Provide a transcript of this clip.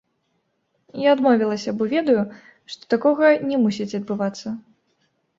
Я адмовілася, бо ведаю, што такога не мусіць адбывацца.